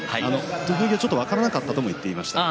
土俵際、ちょっと分からなかったとも言っていました。